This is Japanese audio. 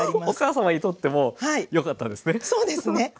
お母様にとってもよかったんですね。